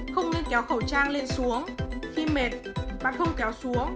không nên kéo khẩu trang lên xuống khi mệt bạn không kéo xuống